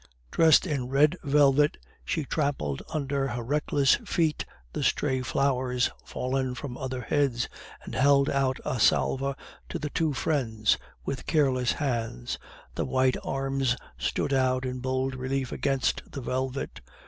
Dressed in red velvet, she trampled under her reckless feet the stray flowers fallen from other heads, and held out a salver to the two friends, with careless hands. The white arms stood out in bold relief against the velvet.